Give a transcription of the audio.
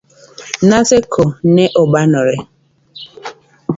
Naseko ne obanore